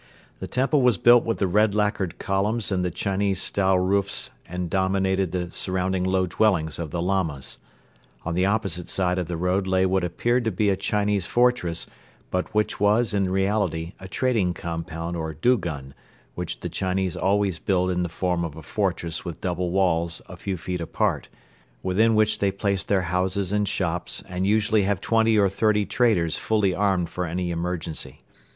The temple was built with the red lacquered columns and the Chinese style roofs and dominated the surrounding low dwellings of the Lamas. On the opposite side of the road lay what appeared to be a Chinese fortress but which was in reality a trading compound or dugun, which the Chinese always build in the form of a fortress with double walls a few feet apart, within which they place their houses and shops and usually have twenty or thirty traders fully armed for any emergency.